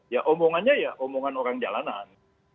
ya omongannya ya omongan orang jalanan